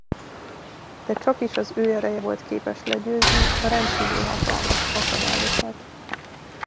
De csakis az ő ereje volt képes legyőzni a rendkívül hatalmas akadályokat.